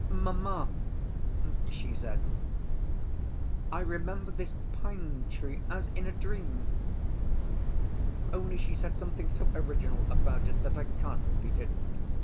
'Mamma,' she said, 'I remember this pine‐tree as in a dream,' only she said something so original about it that I can't repeat it.